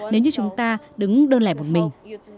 nếu như chúng ta đứng đơn lẻ một mình